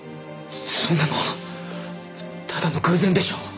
そんなのただの偶然でしょう。